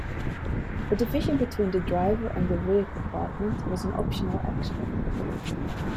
A division between the driver and the rear compartment was an optional extra.